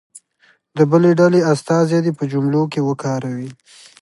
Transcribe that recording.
د بلې ډلې استازی دې په جملو کې وکاروي.